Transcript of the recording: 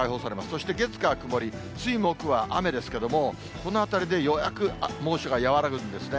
そして月、火、曇り、水、木は雨ですけども、このあたりでようやく猛暑が和らぐんですね。